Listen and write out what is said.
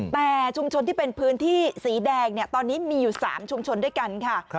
แต่ชุมชนที่เป็นพื้นที่สีแดงตอนนี้มีอยู่๓ชุมชนด้วยกันค่ะ